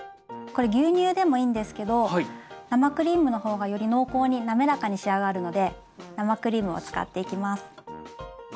これ牛乳でもいいんですけど生クリームの方がより濃厚に滑らかに仕上がるので生クリームを使っていきます。